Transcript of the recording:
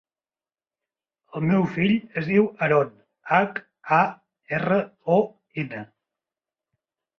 El meu fill es diu Haron: hac, a, erra, o, ena.